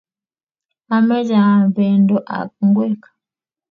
amoche aam bendo ak ngwek.